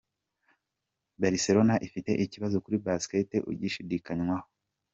Barcelona ifite ikibazo kuri Busquets ugishidikanywaho.